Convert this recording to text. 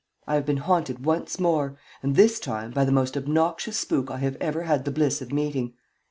I have been haunted once more, and this time by the most obnoxious spook I have ever had the bliss of meeting.